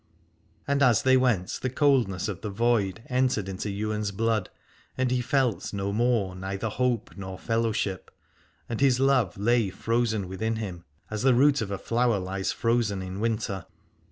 And as they went the coldness of the void entered into Ywain's blood, and he felt no more neither hope nor fellowship, and his love lay frozen within him as the root of a flower lies frozen in winter.